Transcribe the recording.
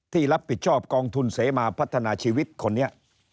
ที่รับผิดชอบกองทุนเสมาพัฒนาชีวิตคนนี้